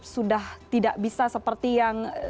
sudah tidak bisa seperti yang